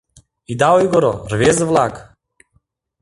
— Ида ойгыро, рвезе-влак!